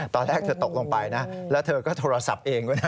ตอนแรกเธอตกลงไปนะแล้วเธอก็โทรศัพท์เองด้วยนะ